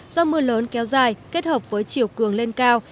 do mưa lớn kéo dài kết hợp với chiều cường lên cao